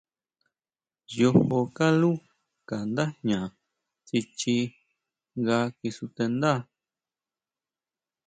Yojo kalú ka ndá jña tsichi nga kisutendá.